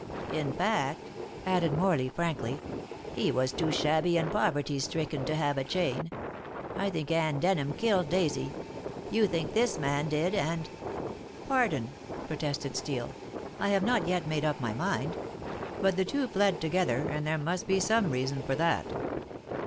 In fact," added Morley frankly, "he was too shabby and poverty stricken to have a chain. I think Anne Denham killed Daisy; you think this man did, and " "Pardon," protested Steel. "I have not yet made up my mind. But the two fled together, and there must be some reason for that."